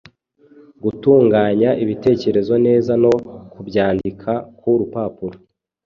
Gutunganya ibitekerezo neza no kubyandika ku rupapuro.